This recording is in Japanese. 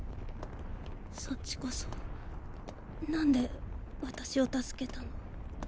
そっちこそ何で私を助けたの？